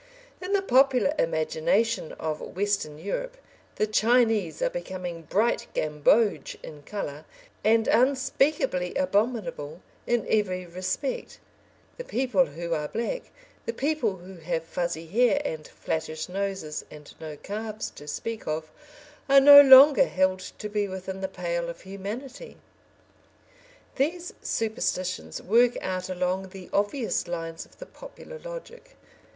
In the popular imagination of Western Europe, the Chinese are becoming bright gamboge in colour, and unspeakably abominable in every respect; the people who are black the people who have fuzzy hair and flattish noses, and no calves to speak of are no longer held to be within the pale of humanity. These superstitions work out along the obvious lines of the popular logic.